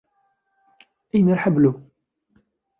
أين الحبل ؟